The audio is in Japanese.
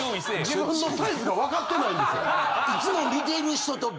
自分のサイズがわかってないんですよ。